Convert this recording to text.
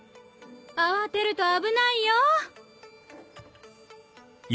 慌てると危ないよ。